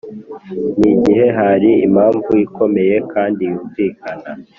ni gihe hari impamvu ikomeye kandi y’umvikana